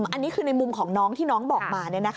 อันนี้คือในมุมของน้องที่น้องบอกมา